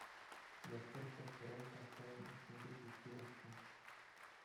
Якур прокурор та хӑйӗн ӗҫне пит юратнӑ.